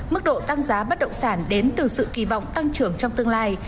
mức độ tăng giá bất động sản đến từ sự kỳ vọng tăng trưởng trong tương lai